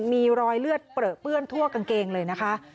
มีรอยเลือดเปลือเปื้อนทั่วกางเกงเลยนะคะ